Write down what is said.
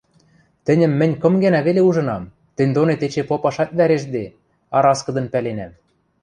— Тӹньӹм мӹнь кым гӓнӓ веле ужынам, тӹнь донет эче попашат вӓрештде, а раскыдын пӓленӓм: